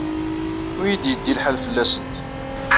Ur iyi-d-yeddi lḥal fell-asent.